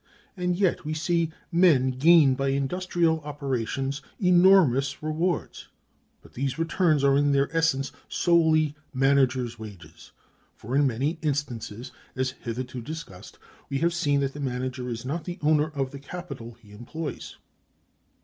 And yet we see men gain by industrial operations enormous rewards; but these returns are in their essence solely manager's wages. For in many instances, as hitherto discussed, we have seen that the manager is not the owner of the capital he employs.